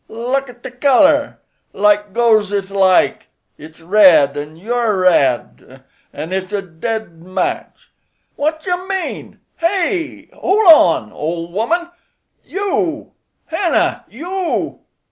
Look't the color. Like goes 'ith like; it's red an' you're red, an' it's a dead match. What yer mean? Hey! hole on! ole woman!—you! Hannah!—you."